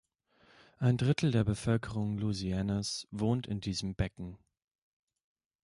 Ein Drittel der Bevölkerung Louisianas wohnt in diesem Becken.